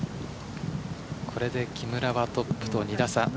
これで木村はトップと２打差。